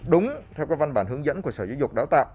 đúng theo các văn bản hướng dẫn của sở giáo dục